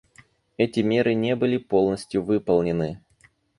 Эти меры не были полностью выполнены.